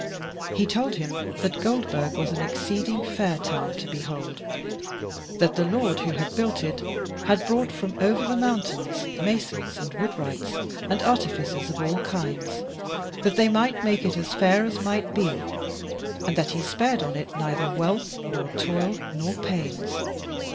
He told him that Goldburg was an exceeding fair town to behold; that the lord who had built it had brought from over the mountains masons and wood wrights and artificers of all kinds, that they might make it as fair as might be, and that he spared on it neither wealth nor toil nor pains.